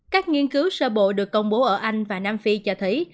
các nghiên cứu sơ bộ được công bố ở anh và nam phi cho thấy